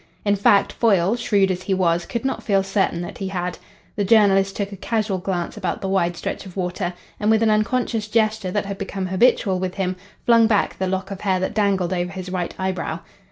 In fact, Foyle, shrewd as he was, could not feel certain that he had. The journalist took a casual glance about the wide stretch of water, and with an unconscious gesture that had become habitual with him flung back the lock of hair that dangled over his right eyebrow.